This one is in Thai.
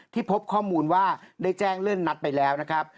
พบข้อมูลว่าได้แจ้งเลื่อนนัดไปแล้วนะครับ